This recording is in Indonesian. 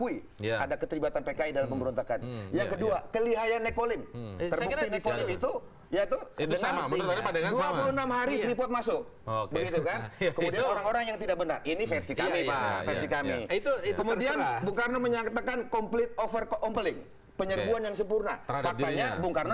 itu adalah presiden soekarno